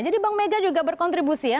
jadi bank mega juga berkontribusi ya